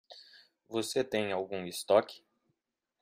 Você tem algum estoque?